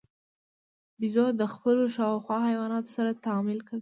بیزو د خپلو شاوخوا حیواناتو سره تعامل کوي.